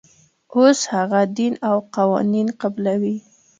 اوس هغه دین او قوانین قبلوي.